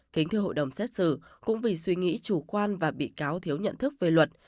kính thưa hội đồng xét xử cũng vì suy nghĩ chủ quan và bị cáo thiếu nhận thức về luật